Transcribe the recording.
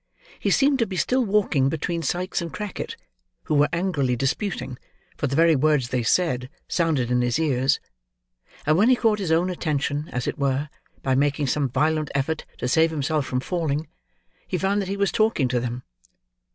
He seemed to be still walking between Sikes and Crackit, who were angrily disputing—for the very words they said, sounded in his ears; and when he caught his own attention, as it were, by making some violent effort to save himself from falling, he found that he was talking to them.